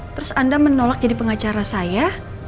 terus anda menolak jadi pengacara saya